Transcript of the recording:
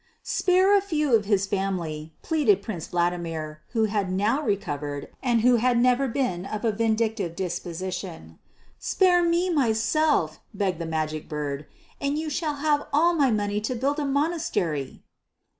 "Spare a few of his family," pleaded Prince Vladimir, who had now recovered, and who had never been of a vindictive disposition. "Spare me myself," begged the Magic Bird, "and you shall have all my money to build a monastery."